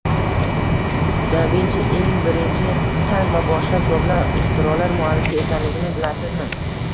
Da Vinchi eng birinchi tank va boshqa ko‘plab ixtirolar muallifi ekanligini bilasizmi?